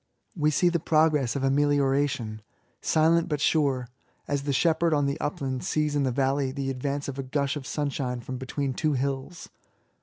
We see the progress of amelioration, silent but sure, as the shepherd on the upland sees in the valley the advance of a gush of sunshine from between two hills.